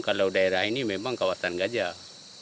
kalau daerah ini memang kawasan gajah